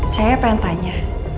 saya pengen tanya